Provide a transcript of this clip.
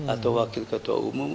atau wakil ketua umum